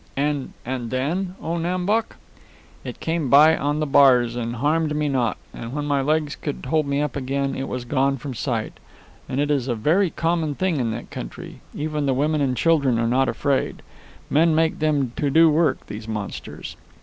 "And and then, O Nam Bok?" "Then it came by on the bars, and harmed me not; and when my legs could hold me up again it was gone from sight. And it is a very common thing in that country. Even the women and children are not afraid. Men make them to do work, these monsters."